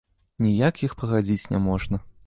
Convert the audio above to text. Ніяк іх пагадзіць няможна.